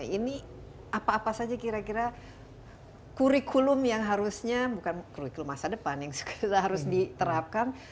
ini apa apa saja kira kira kurikulum yang harusnya bukan kurikulum masa depan yang harus diterapkan